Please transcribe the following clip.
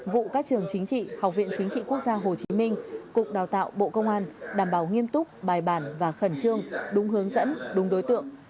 vụ các trường chính trị học viện chính trị quốc gia hồ chí minh cục đào tạo bộ công an đảm bảo nghiêm túc bài bản và khẩn trương đúng hướng dẫn đúng đối tượng